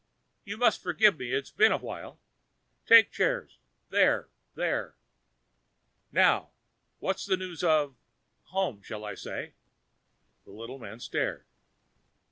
"You must forgive me it's been a while. Take chairs, there, there. Now, what news of home, shall I say?" The little man stared.